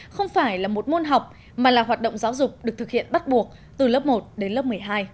không phải là một môn học mà là hoạt động giáo dục được thực hiện bắt buộc từ lớp một đến lớp một mươi hai